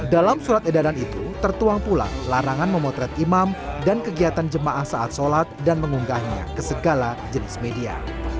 dalam surat edaran itu tertuang pula larangan memotret imam dan kegiatan jemaah saat sholat dan mengunggahnya ke segala jenis media